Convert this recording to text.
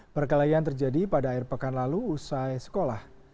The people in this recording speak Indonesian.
perkelahian terjadi pada air pekan lalu usai sekolah